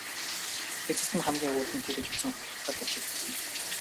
Эцэст нь хамгийн үр дүнтэй гэж үзсэн хувилбараа туршиж үзнэ.